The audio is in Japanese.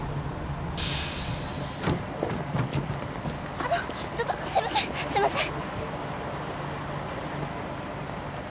あのちょっとすみませんすみません。